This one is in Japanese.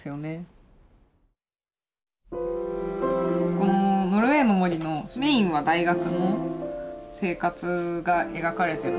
この「ノルウェイの森」のメインは大学の生活が描かれてるんですけど。